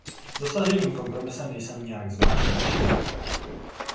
Dosaženým kompromisem nejsem nijak zvlášť nadšen.